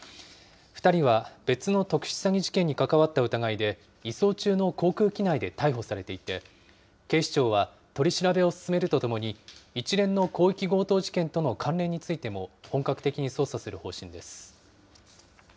２人は別の特殊詐欺事件に関わった疑いで、移送中の航空機内で逮捕されていて、警視庁は取り調べを進めるとともに、一連の広域強盗事件との関連についても本格的に捜査する方針です。